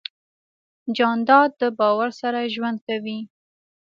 جانداد د باور سره ژوند کوي.